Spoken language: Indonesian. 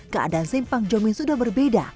keadaan simpang jomi sudah berbeda